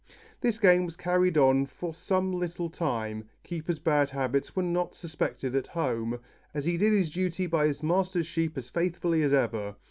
This game was carried on for some little time; Keeper's bad habits were not suspected at home, and he did his duty by his master's sheep as faithfully as ever.